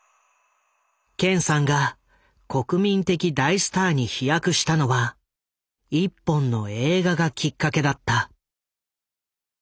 健さんが国民的大スターに飛躍したのは一本の映画がきっかけだった。